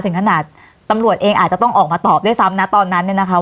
ถึงขนาดตำรวจเองอาจจะต้องออกมาตอบด้วยซ้ำนะตอนนั้นเนี่ยนะคะ